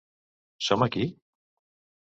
Som aquí?